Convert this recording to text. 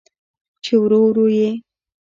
چې ورو، ورو یې